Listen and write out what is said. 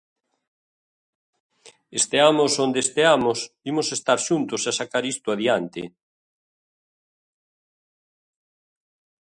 Esteamos onde esteamos imos estar xuntos e sacar isto adiante.